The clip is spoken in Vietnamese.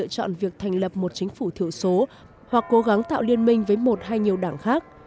đồng nghĩa với việc đảng bảo thủ sẽ phải lựa chọn một chính phủ thứ số hoặc cố gắng tạo liên minh với một hay nhiều đảng khác